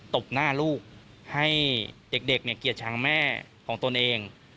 ตกหน้าลูกให้เด็กนี้เกียรตรรภ์แม่ของตนเอง